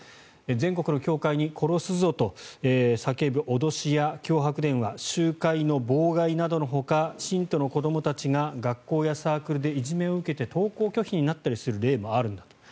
全国の教会に殺すぞと叫ぶ脅しや脅迫電話集会の妨害などのほか信徒の子どもたちが学校やサークルでいじめを受けて登校拒否になったりする例もあるんだと。